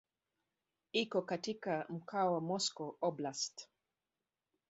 Iko katika mkoa wa Moscow Oblast.